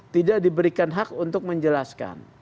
tidak diberikan hak untuk menjelaskan